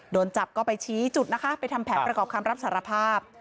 โดนจับก็ไปชี้จุดนะคะไปทำแผนประกอบคำรับสารภาพ